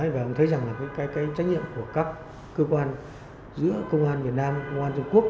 và ông thấy rằng là cái trách nhiệm của các cơ quan giữa công an việt nam công an trung quốc